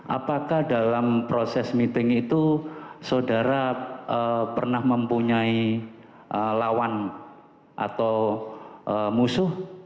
apakah dalam proses meeting itu saudara pernah mempunyai lawan atau musuh